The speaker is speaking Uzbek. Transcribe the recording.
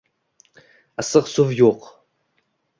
Issiq suv yo'q.